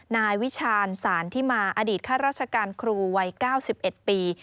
นายวิชาญสารที่มาอดีตข้าราชการครูวัย๙๑ปี